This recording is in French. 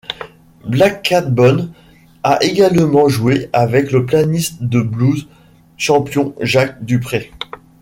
Black Cat Bones a également joué avec le pianiste de blues Champion Jack Dupree.